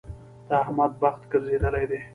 د احمد بخت ګرځېدل دی.